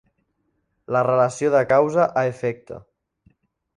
La relació de causa a efecte.